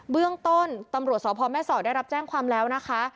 เบื้องต้นตำรวจสพแม่สอดได้รับแจ้งความแล้วนะคะ